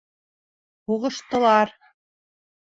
Һуғыштылар!